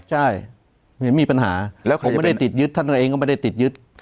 ใช่เห็นมีปัญหาแล้วผมไม่ได้ติดยึดท่านตัวเองก็ไม่ได้ติดยึด